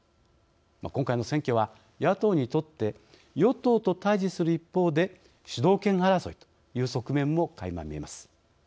今回の選挙は、野党にとって与党と対じする一方で主導権争いという側面もかいま見えます。